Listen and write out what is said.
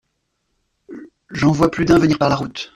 J’en vois plus d’un venir par la route.